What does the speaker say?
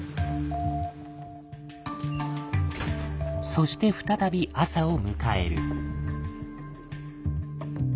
そして再び朝を迎える。